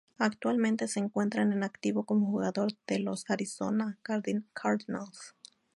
Actualmente se encuentra en activo como jugador de los Arizona Cardinals.